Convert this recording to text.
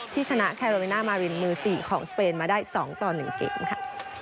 ที่ชนะแคโรเมน่ามารินมือ๔ของสเปนมาได้๒ต่อ๑เกมค่ะ